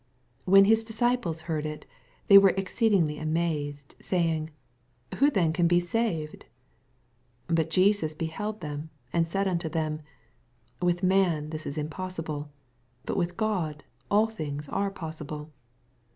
25 Wi en his disd^es heard U, they were exceedin&fly amazed, saying, Who then can be saved ? 26 Bat Jesus beheld themy and said unto them, With men this is impos sible: but with God all things are possible.